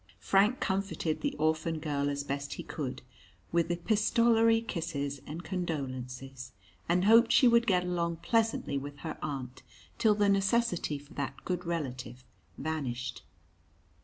Frank comforted the orphaned girl as best he could with epistolary kisses and condolences, and hoped she would get along pleasantly with her aunt till the necessity for that good relative vanished.